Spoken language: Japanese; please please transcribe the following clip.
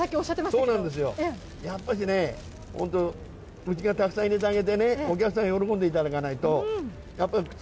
そうなんですよ、やっぱしね、うちがたくさん入れてあげてね、お客さんが喜んでいただかないと。